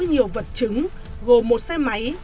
nhiều vật chứng gồm một xe máy